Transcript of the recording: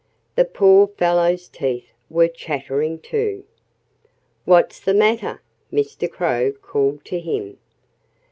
The poor fellow's teeth were chattering, too. "What's the matter?" Mr. Crow called to him.